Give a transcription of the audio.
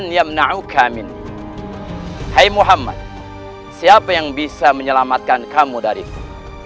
ya muhammad siapa yang bisa menyelamatkan kamu dari itu